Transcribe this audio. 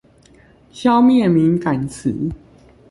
消滅敏感詞